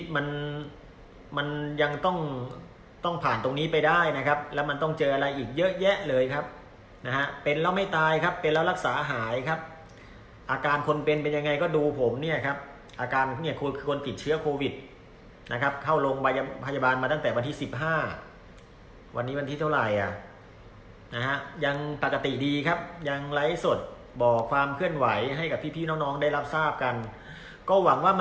มันมันยังต้องต้องผ่านตรงนี้ไปได้นะครับแล้วมันต้องเจออะไรอีกเยอะแยะเลยครับนะฮะเป็นแล้วไม่ตายครับเป็นแล้วรักษาหายครับอาการคนเป็นเป็นยังไงก็ดูผมเนี่ยครับอาการเนี่ยคือคนผิดเชื้อโควิดนะครับเข้าลงพยาบาลมาตั้งแต่วันที่สิบห้าวันนี้วันที่เท่าไรอ่ะนะฮะยังปกติดีครับยังไลฟ์สดบอกความ